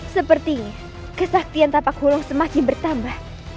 sepertinya kesaktian tapak hulong semakin bertambah